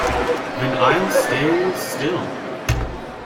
Then I'll stay still.